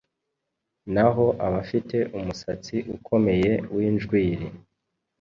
Naho abafite umusatsi ukomeye w’injwiri